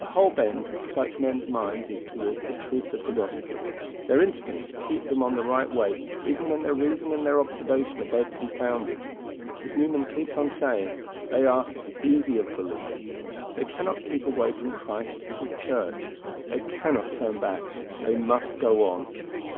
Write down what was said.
The whole bent of such men's minds is toward the truth of the gospel. Their instincts keep them on the right way even when their reason and their observation are both confounded. As Newman keeps on saying, they are "easy of belief." They cannot keep away from Christ and His church. They cannot turn back. They must go on.